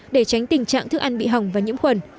để tránh tình trạng thức ăn bị hỏng và nhiễm khuẩn